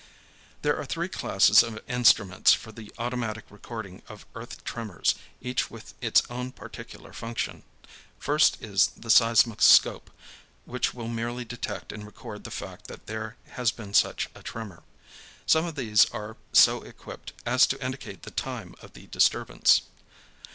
There are three classes of instruments for the automatic recording of earth tremors, each with its own particular function. First is the seismoscope, which will merely detect and record the fact that there has been such a tremor. Some of these are so equipped as to indicate the time of the disturbance.